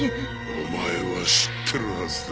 お前は知ってるはずだ。